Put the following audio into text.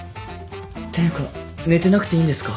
ていうか寝てなくていいんですか？